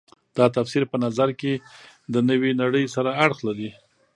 دا تفسیر په نظر کې د نوې نړۍ سره اړخ لري.